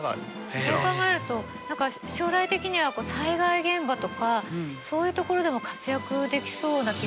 そう考えると何か将来的には災害現場とかそういう所でも活躍できそうな気がしますね。